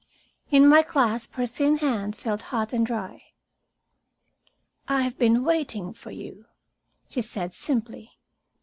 In my clasp her thin hand felt hot and dry. "I have been waiting for you," she said simply.